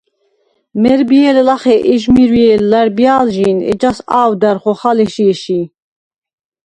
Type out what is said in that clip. მერბიე̄ლ ლახე იჟმირვჲე̄ლ ლა̈რბია̄ლჟი̄ნ, ეჯას ა̄ვდა̈რ ხოხალ ეში̄-ეში̄.